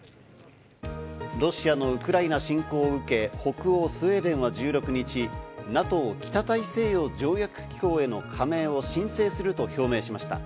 ロシアのウクライナ侵攻を受け、北欧スウェーデンは１６日、ＮＡＴＯ＝北大西洋条約機構への加盟を申請すると表明しました。